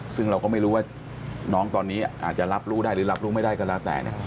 ซึ่งเราก็ไม่รู้ว่าน้องตอนนี้อาจจะรับรู้ได้หรือรับรู้ไม่ได้ก็แล้วแต่